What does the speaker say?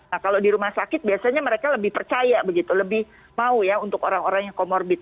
nah kalau di rumah sakit biasanya mereka lebih percaya begitu lebih mau ya untuk orang orang yang comorbid